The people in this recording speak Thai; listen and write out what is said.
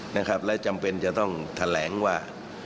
นะครับและจำเป็นจะต้องแถลงว่า